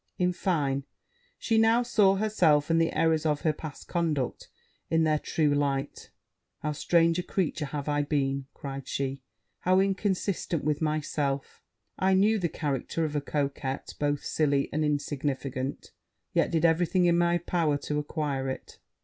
In fine, she now saw herself, and the errors of her past conduct, in their true light. 'How strange a creature have I been!' cried she; 'how inconsiderate with myself! I knew the character of a coquette both silly and insignificant; yet did every thing in my power to acquire it.